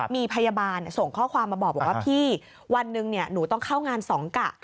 มีพยาบาลส่งข้อความมาบอกว่าพี่วันหนึ่งหนูต้องเข้างานสองกะ